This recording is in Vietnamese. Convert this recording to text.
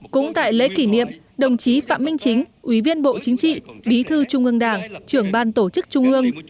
cũng tại lễ kỷ niệm đồng chí phạm minh chính ủy viên bộ chính trị bí thư trung ương đảng trưởng ban tổ chức trung ương